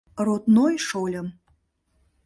Родной шольым...